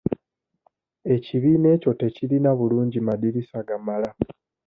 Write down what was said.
Ekibiina ekyo tekirina bulungi madirisa gamala.